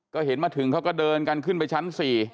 ก็เห็นมาถึงเขาก็เดินกันขึ้นไปชั้น๔